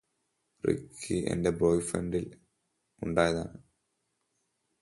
Ricky എന്റെ ബോയ്ഫ്രണ്ടിൽ ഉണ്ടായതാണ്